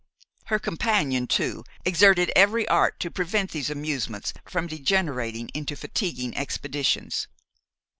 Her companion, too, exerted every art to prevent these amusements from degenerating into fatiguing expeditions.